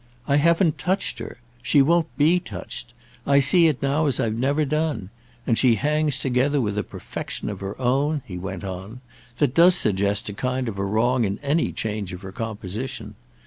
"I haven't touched her. She won't be touched. I see it now as I've never done; and she hangs together with a perfection of her own," he went on, "that does suggest a kind of wrong in any change of her composition.